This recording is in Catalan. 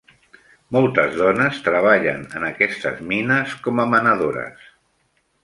Moltes dones treballen en aquestes mines com a menadores.